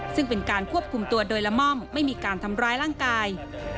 ซึ่งเป็นการควบคุมตัวโดยละม่อมไม่มีการทำร้ายร่างกาย